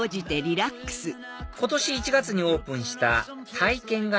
今年１月にオープンした体験型